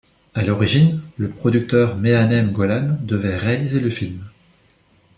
À l'origine, le producteur Menahem Golan devait réaliser le film.